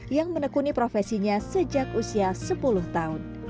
yang menekuni profesinya sejak usia sepuluh tahun